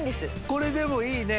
これでもいいね